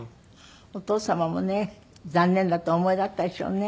お父様もね残念だとお思いだったでしょうね。